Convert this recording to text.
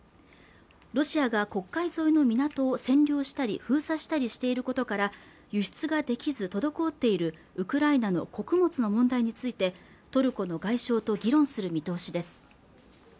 ロシアが黒海沿いの港を占領したり封鎖したりしていることから輸出ができず滞っているウクライナの穀物の問題についてトルコの外相と議論する見通しです